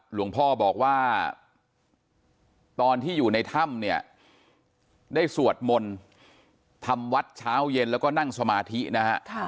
หลวงพ่อบอกว่าตอนที่อยู่ในถ้ำเนี่ยได้สวดมนต์ทำวัดเช้าเย็นแล้วก็นั่งสมาธินะฮะ